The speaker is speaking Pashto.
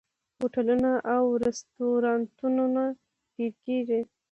هوټلونه او رستورانتونه ډکیږي.